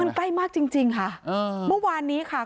มันใกล้มากจริงจริงค่ะเมื่อวานนี้ค่ะ